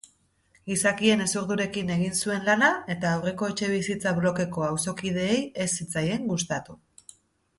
Gizakien hezurdurekin egin zuen lana eta aurreko etxebizitza blokeko auzokideei ez zitzaien gustatu.